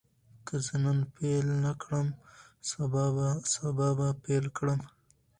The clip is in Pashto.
که زه نن پیل نه کړم، سبا به پیل کړم.